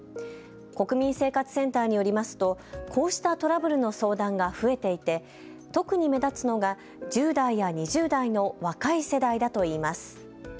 国民生活センターによりますとこうしたトラブルの相談が増えていて特に目立つのが１０代や２０代の若い世代だといいます。